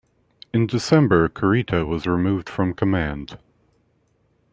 In December, Kurita was removed from command.